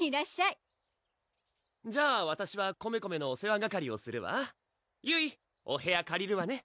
いらっしゃいじゃあわたしはコメコメのお世話係をするわゆいお部屋かりるわね